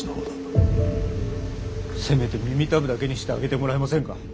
せめて耳たぶだけにしてあげてもらえませんか。